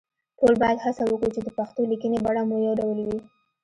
ټول باید هڅه وکړو چې د پښتو لیکنې بڼه مو يو ډول وي